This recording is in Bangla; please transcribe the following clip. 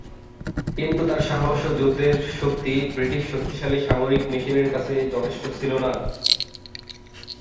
কিন্তু তার সাহস ও যুদ্ধের শক্তি ব্রিটিশ শক্তিশালী সামরিক মেশিনের কাছে যথেষ্ট ছিল না।